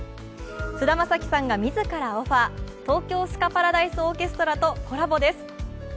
菅田将暉さんが自らオファー、東京スカパラダイスオーケストラとコラボです